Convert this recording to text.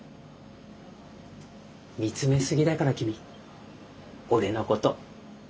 見つめ過ぎだから君俺のこと。